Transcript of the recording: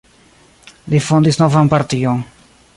Li fondis novan partion.